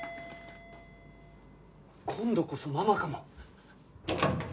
今度こそママかも！